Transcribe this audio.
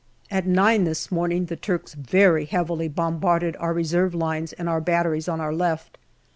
At nine this morning the Turks very heavily bombarded our reserve lines and our batteries on our left.